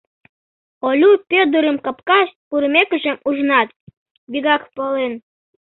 Олю Пӧдырым капкаш пурымекыже ужынат, вигак пален.